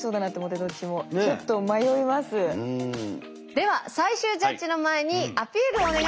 では最終ジャッジの前にアピールをお願いします。